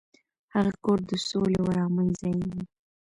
هغه کور د سولې او ارامۍ ځای و.